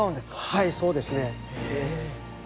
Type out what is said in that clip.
はいそうですね。へえ。